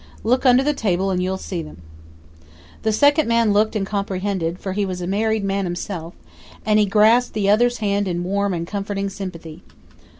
Look under the table and you'll see 'em." The second man looked and comprehended, for he was a married man himself; and he grasped the other's hand in warm and comforting sympathy.